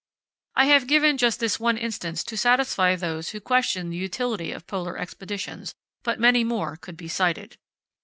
I have given just this one instance to satisfy those who question the utility of Polar Expeditions, but many more could be cited.